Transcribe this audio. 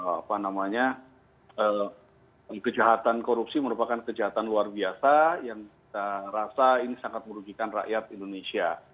apa namanya kejahatan korupsi merupakan kejahatan luar biasa yang kita rasa ini sangat merugikan rakyat indonesia